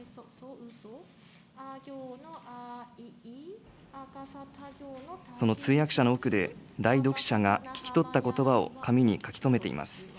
あ行のあい、その通訳者の奥で、代読者が聞き取ったことばを紙に書き留めています。